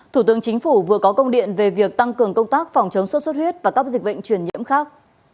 thủ tướng chính phủ vừa có công điện về việc tăng cường công tác phòng chống sốt xuất huyết và các dịch bệnh truyền nhiễm khác